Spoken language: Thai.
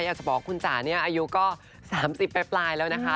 อยากจะบอกว่าคุณจ๋าเนี่ยอายุก็๓๐ปลายแล้วนะคะ